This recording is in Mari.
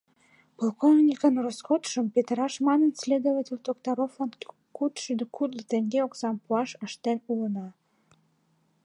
«Полковниковын роскотшым петыраш манын, следователь Токтаровлан кудшӱдӧ кудло теҥге оксам пуаш ыштен улына.